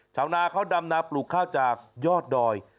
ชาวนาเขาดำนาปลูกข้าวจากยอดดอย